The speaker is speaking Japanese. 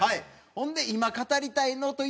ほんで今語りたいのといえば。